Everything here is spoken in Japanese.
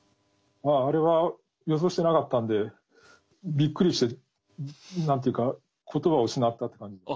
あれは予想してなかったんでびっくりして何ていうか言葉を失ったって感じで。